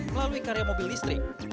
melalui karya mobil listrik